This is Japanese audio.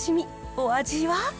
お味は？